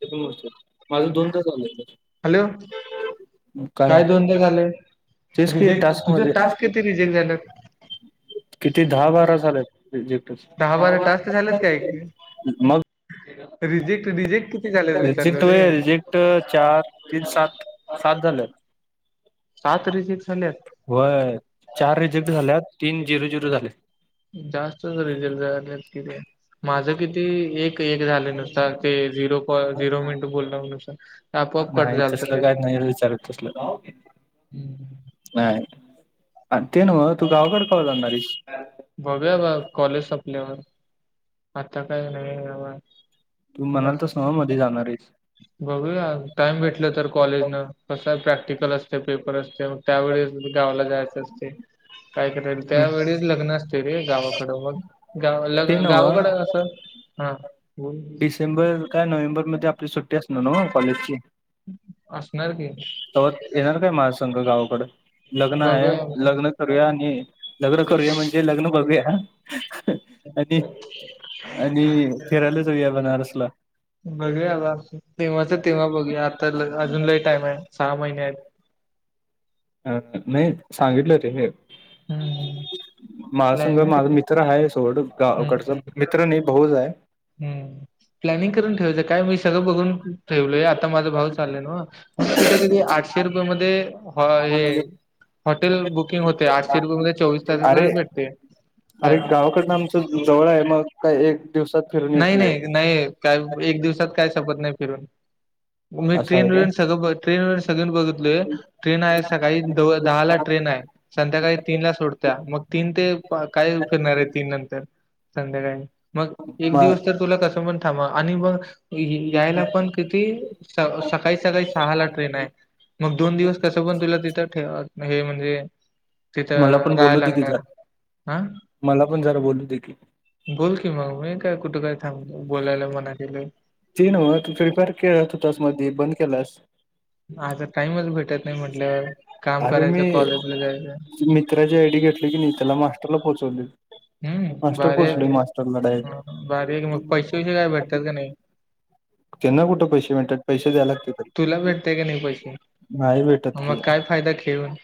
ते दोन वर्षात माझं दोनदा झालंय. हॅलो काय? दोनदा झालंय तेच कि रिजेक्ट टास्क तुझे मध्ये. टास्क किती रिजेक्ट झालेत किती दहा बारा झाल्यात. जेपच. दहा - बारा टास्क झाल्यात काय एक [unintelligible] रिजेक्ट रिजेक्ट किती झाल्यात विचारल रे? क्ट चार, तीन, सात, सात झाल्यात. सात रिजेक्ट झाल्यात? होय. चार रिजेक्ट झाल्यात तीन झिरो - झिरो झालय. जास्त रिजेक्ट झाल्यात कि रे माझं किती एक एक झाल नू तर ते झिरो कॉल झिरो मिनट बोलला नुसार. न्हाय तसल काय नाय र विचारत तसल. हम्म. नाय, अन् ते न्हव तू गावाकड कवा जाणारयेस? बघूया बा कॉलेज संपल्यावर आता काय नाय बाबा. तू म्हणलतास न्हव मधी जाणारयेस? बघूया टाइम भेटलं तर कॉलेजन कसं प्रॅक्टिकल असते पेपर असते. त्यावेळेस गावाला जायचं असते. काय करायला? मी त्यावेळी लग्न असते रे गावाकडं मग गावाला ते नव्ह गावाकडं कस हा बोल की. सेंबर काय नोव्हेंबर मध्ये आपली सुट्टी असणार न्हव कॉलेजची? असणार. की तवा येणार काय माझ्या संग गावाकड? लग्न हाय बघूया लग्न करूया आणि लग्न करूया म्हणजे लग्न बघूया. आणि आणि फिरायला जाऊया बनारसला. बघूया आता अजून तेव्हाच तेव्हा बघूया आता अजून लय टाईम हाय सहा महिने आयत. हा नाय सांगितलं रे. हम्म. माझ संघ प्लॅनिंग माझा करून मित्र हाय सोड गावाकडचा हम्म मित्र नाय भाऊच आय. हम्म प्लॅनिंग करून ठेवायचं काय मी सगळं बघून ठेवलोय आता माझा भाऊ चाललंय ना तिथं ती आठशे रुपये मध्ये हा हे आहे हॉटेल बुकिंग होते आठशे रुपया मध्ये चोवीस तासाचा अरे भेट अरे गावाकडनं आमचं जवळ आहे मग काय एक दिवसात फिरून नाही येतोय. नाही नाही काय एक दिवसात काय शपत नाही फिरून मी असं ट्रेन आहे का ब्रेन सगळं बत ट्रेन व्रेन सगळंन बघतिलोय. ट्रेन आहे सकाळी दो दहा ला ट्रेन आहे संध्याकाळी तीन ला सोडत्या मग तीन ते पा काय फिरणार आहे तीन नंतर संध्याकाळी. मग एक म दिवस तर तुला कसं पण थांबवा आणि मग इ ही यायला पण किती स सकाळी सकाळी सहा ला ट्रेन आहे. मग दोन दिवस कसं पण तुला तिथं ठेवा हे म्हणजे मला तिथं पण बोलू राहायला दे की लागणार. जरा हा मला पण जरा बोलू दे की. बोल की मग मी काय कुठे काय थांब बोलायला मना केलोय. ती नव्हं तु फ्री फायर खेळत होतस मध्ये बंद केलास. आता टाइमच भेटत नाही म्हटलं काम करायचं, कॉलेजला जायचं. तु मित्राची आय डी घेतली की मी त्याला मास्टरला पोहोचवले. हम्म, मास्टर भारी आहे पोहोचलोय की. मास्टरला डायरेक्ट. भारी आहे की मग पैशे विशे काय भेटतात का नाही? त्यांना कुठं पैसे मिळतात पैसे द्याय लागते तुला तरी. भेटते का नाही पैसे? मग काय फायदा खेळून.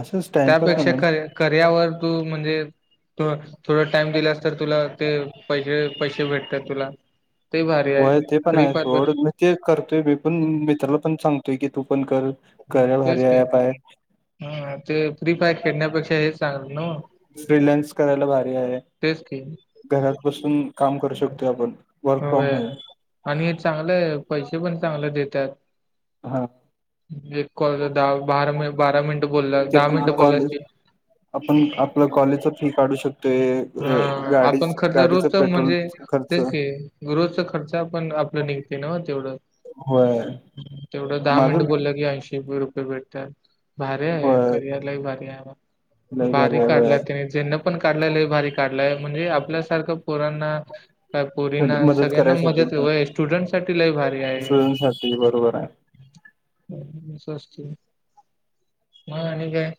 असंच टाइमपास त्यापेक्षा म्हणून करया कर्यावर तू म्हणजे तु थोडा टाइम दिलास तर तुला ते पैशे पैशे भेटत्यात तुला. ते भारी होय आहे ते पण आहे ख्रीपात. सोड [unintelligible] मी ते करतोय मी पण मित्राला पण सांगतोय की तू पण कर कार्य तेच भारी की. ऍप आहे. हा ते फ्री फायर खेळण्यापेक्षा हे चांगलं ना हो. फ्रीलन्स करायला भारी आहे. की. घरात बसून काम करू शकतोय आपण वर्क फ्रॉम होय. होम. आणि हे चांगले आहे पैशे पण चांगले देत्यातं. हां. एक कॉलचा दहा बारा मि बारा मिनिटं बोलला ते दहा पण मिनिटं कॉलेज बोलल्याशी आपण आपलं कॉलेजच फी काढू शकतोय. हा गाडी आपण खर्चा गाडीच रोजचा पेट्रोल म्हणजे खर्च तेच की रोजचा खर्चा आपण आपला निघ ते तेवढंचं होय हम्म तेवढं दहा माझं मिनटं बोललं की ऐंशी [unintelligible] रुपये भेटत्यात. भारी आहे होय करिअरला ही भारी आहे म लय भारी आहे काढला होय त्यांनी ज्यांना पण काढले लय भारी काढलाय म्हणजे आपल्यासारखं पोरांना काय पोरीना मदत सगळ्यांना करायसाठी मदत ओय स्टुडंट साठी लय भारी आहे. ते बरोबर आहे. [inaudible] म आणि काय?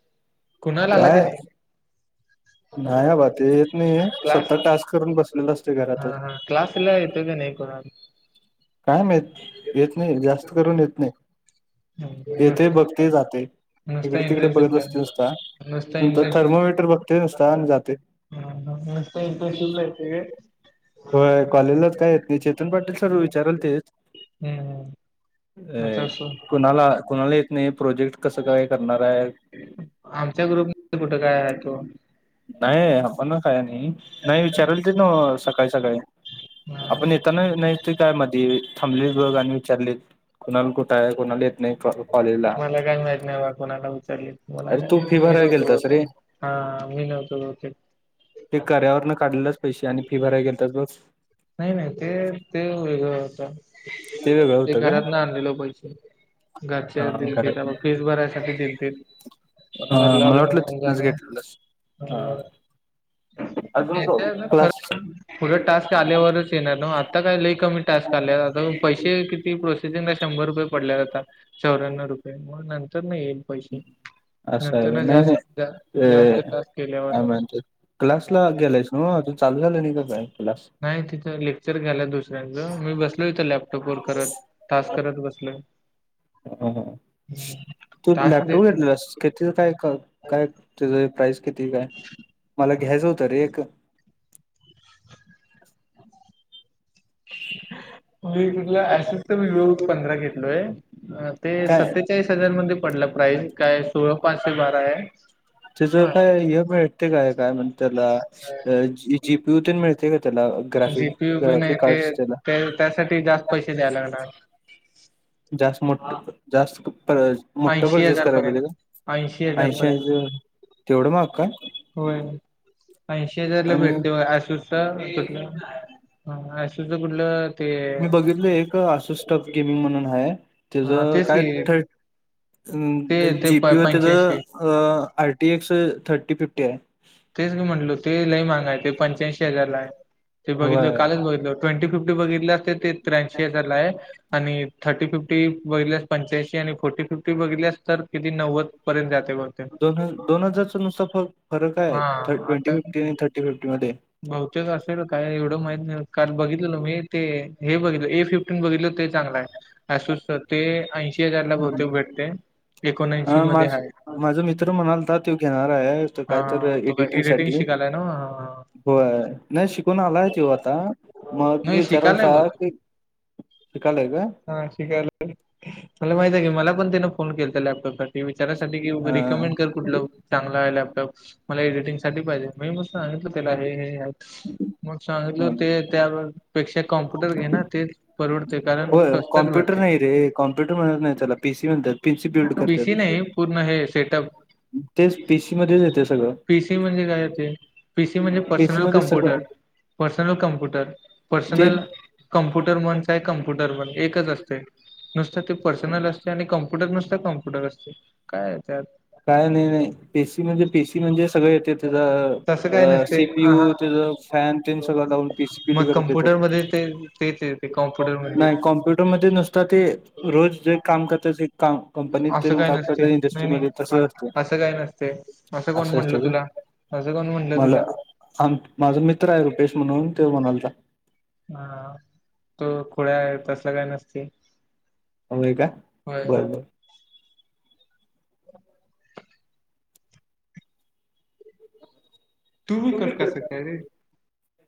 कुणाल आला की काय नाही? नाही अबा ते येत नाही क्लास स्वतः टास्क करून बसलेलं असतोय घरातच. तुला येतं का नाही कोणा काय माहित येत नाहीं नाही जास्त करून येत नाही येते बघते जाते. नुसता तिकडे तिकडे बघत इंटर्नशिपला बसते नुसता नुसता नंतर थर्मोमीटर बघते नुसता आणि जाते. हा हा नुसतं इंटरशिपला येते काय? व्हंय, कॉलेजलाच का येतो? चेतन पाटील सर विचारतील. हम्म आता ऐय, असो कुणाला, कुणाला येत नाही, प्रोजेक्ट कसं काय करणार आहे? आमच्या ग्रुप मध्ये कुठं काय आहे तो? नाही आपणच आहे आणि, नाही विचारतील नव्हं सकाळी, सकाळी. आपण येताना [unintelligible] आहे मध्यी. थांबलीत बघ, आणि विचारलीत, कुणाल कुठं आहे? कोणाला येत नाही? प्रॉ मला काय माहित नाही बा, कुणाला विचारलीत मला अरे काय, तू फी मी भरायला नव्हतो गेलतास बहुतेक. रे हा, मी नव्हतो बहुतेक. ते कऱ्यावर न काढलेलंच पैसे आणि फी भराय घेतात बघ नाही, नाही, ते, ते वेगळं होत. वेगळं ते होतं काय घरातन आणलेल पैसे, घरचे आज हा दिलते [unintelligible] फीस भरायसाठी दिलते. अं, भरला मला पण वाटलं निघून तिथनच झालो घेतलेलंस, अं. अजून तो, क्लास. पुढं टास्क आल्यावरच येणार, नव्हं? आता काय, लयं कमी टास्क आले, आता पैसे किती प्रोसे [unintelligible] शंभर रुपये पडल्यागत काम, चौर्‍याण्णव रुपये, मग नंतर येईल. पैसे, असं आहे व्हय नंतर नाही जास्त, नाही जास्त अ तास केल्यावर? काय म्हणतात क्लासला गेलायस? नव्हं, तुझं चालू झाला नाही का, काय क्लास? नाही, तिथं लेक्चर घ्यायल्यात दुसऱ्यांचं, मी बसलो इथं लॅपटॉप वर करत. टास्क करत बसलोय. हंम्म, हंम्म. तू टास्क लॅपटॉप देते घेतलास? कितीचा काय? काय तेचं प्राईज? किती काय? मला घ्यायचं होतं रे एक. मी कुठल्या [unintelligible] व्हिडिओ पंधरा घेतलोय. ते काय सत्तेचाळीस हजार मध्ये पडलं. प्राईज काय, सोळा पाचशे बारा आहे. तेजं काय? हा. कुठे काय? काय म्हणं त्याला? जी. पी. यु. तेन मिळते का त्याला? ग्राफिक, जीपीयू बी नाही ग्राफिक ते कार्डस त्याला? ते- त्यासाठी जास्त पैसे द्यायला लागणारं. जास्तं मोठ, जास्तं. [unintelligible] मोठं ऐंशी परचेस हजार करायला पर्यंत पाहिजे का? हजार ऐंशी पर्यंत ऐंशी तेवढं महाग काय? होय, ऐंशी हजारला आणि भेटतोय बघ, आसो तर कुठलं? [unintelligible] अं, असुदे कुठलं? ते मी बघितलं एक, असूस टफ गेमिंग म्हणून हाय. हा त्याचं तेच काय की फिट आहे, ते अन् ते जी. प- पी. यू. त्याचं पंच्याऐंशी अं, R. T. X. Thirty, fifty आहे. तेच मी म्हटलो, ते लई माहाग आहे, ते पंच्याऐंशी हजारला आहे, ते बघितलं हवाय कालच बघितलं. ट्वेंटी फिफ्टी बघितली असते, ते त्र्याऐंशी हजारला आहे. आणि थर्टी फिफ्टी बघितल्यास, पंच्याऐंशी आणि फोर्टी फिफ्टी बघितल्यास, तर किती? नव्वद पर्यंत जाते बघते? दोन दोन हजारच नुसतं फरक आहे? हा ट्वेंटी आता फिफ्टी आणि थर्टी फिफ्टी मध्ये. बहुतेक असेल, काय एवढं माहित नाही, काल बघितलेलं मी ते. हे बघितलं एफ फिफ्टीन बघितलं, ते चांगलं आहे, असूसचं ते ऐंशी हजार ला बहुतेक भेटते. एकोणऐंशी हं, मध्ये माझं, आहे माझा मित्र म्हणालता तो घेणार आहे, तो काय तर व्हंय एडिटिंग शिकायला नव्हं. होय, नाय शिकून आलाय तोव आता, मग नाही शिकायलाय विचारालता बहुतेक कि, [unintelligible] आहे काय? हा शिकायला, मला माहित आहे की मला पण त्यानं फोन केला तर लॅपटॉपसाठी. हे विचारा साठी की, हा री कमेंट कर कुठलं चांगलं लॅपटॉप मला एडिटिंग साठी पाहिजे. मी मग सांगितलं त्याला हे हे आहेत, मग हा. सांगितलं ते त्या, पेक्षा कॉम्प्युटर घे ना तेच परवडते कारण स्वस्तात कॉ्प्युटर भेटते नाही रे, कम्पुटर म्हणत नाही त्याला पी सी म्हणतात. पीसी बिल्ड पीसी करतात नाही पूर्ण हे सेटअप. तेच पीसी मध्येच येते सगळं. पिसी म्हणजे काय? [unintelligible] पी सी म्हणजे पीसी पर्सनल मध्ये सगळं कम्प्युटर- पर्सनल कम्प्युटर ते पर्सनल कम्प्युटर मणच आहे कम्प्युटर मण एकच असते. नुसतं ते पर्सनल असते आणि कम्प्युटर नुसत कम्प्युटर असते, काय त्यात. काय नाही नाही पी, म्हणजे पीसी म्हणजे सगळे ते तसं काय त्याचा, नसते हा हा सीपीयू त्याचा फॅन ते सगळं लावून पीसीपी मग करून देतात. कम्प्युटर मध्ये ते तेच येते कॉम्प्युटर म्हणजे नाही कॉम्प्युटरध्ये नुसत ते, रोज जे काम करत काम, कंपनी असं काम काय करतात नसते नाही इंडस्ट्रीमध्ये. नाही तसं असते असं काही नसते, असं कोण म्हटलं असते का तुला असं कोण म्हटलं तुला. थांब, माझा मित्र आहे रुपेश म्हणून ते म्हणालता. हा, तो खुळ्या तसला काय नसते. होय का, होय बर - बर. तू कट कसा काय रे?